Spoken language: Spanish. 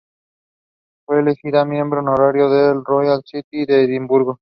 Fue elegida miembro Honorario de Royal Society de Edimburgo.